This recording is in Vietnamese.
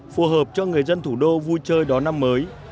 phù hợp cho người dân thủ đô vui chơi đón năm mới